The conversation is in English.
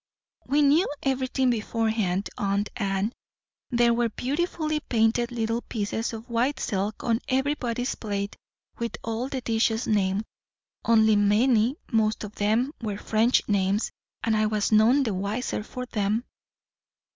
"We knew everything beforehand, aunt Anne. There were beautifully painted little pieces of white silk on everybody's plate, with all the dishes named; only many, most of them, were French names, and I was none the wiser for them."